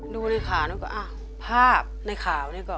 ดูในข่าวภาพในข่าวนี้